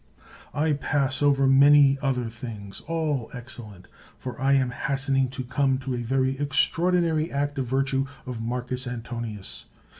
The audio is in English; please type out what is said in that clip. I pass over many other things, all excellent — for I am hastening to come to a very extraordinary act of virtue of Marcus Antonius.